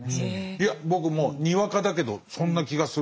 いや僕もにわかだけどそんな気がする。